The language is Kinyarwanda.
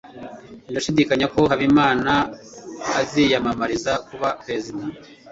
Ndashidikanya ko Habimana aziyamamariza kuba perezida.